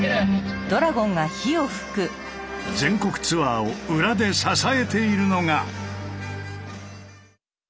全国ツアーを裏で支えているのが。